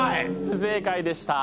不正解でした。